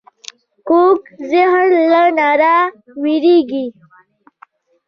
کوږ ذهن له رڼا وېرېږي